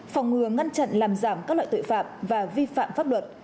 phòng ngừa ngăn chặn làm giảm các loại tội phạm và vi phạm pháp luật